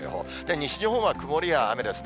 西日本は曇りや雨ですね。